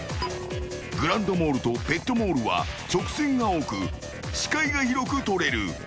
グランドモールとペットモールは直線が多く、視界が広く取れる。